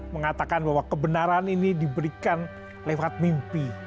mengatakan bahwa kebenaran ini diberikan lewat mimpi